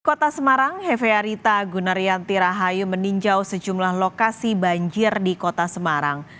kota semarang hefearita gunaryanti rahayu meninjau sejumlah lokasi banjir di kota semarang